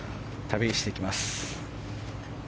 旅していきます。